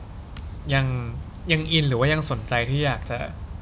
เธอก็ยังแบบยังอินหรือว่ายังสนใจที่อยากจะ